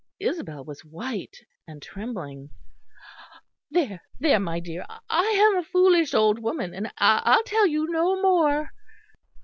Isabel was white and trembling. "There, there, my dear. I am a foolish old woman; and I'll tell you no more."